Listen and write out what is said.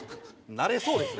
なれそうですね。